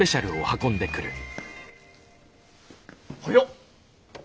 早っ！